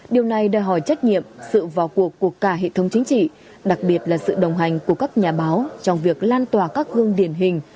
điều này đòi hỏi trách nhiệm sự vào cuộc của cả hệ thống chính trị đặc biệt là sự đồng hành của các nhà báo trong việc lan tỏa các gương điển hình